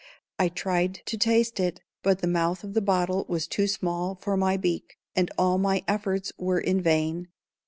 I tried to taste it, but the mouth of the bottle was too small for my beak, and all my efforts were in vain.